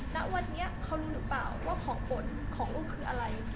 ณวันนี้เขารู้หรือเปล่าว่าของผลของลูกคืออะไร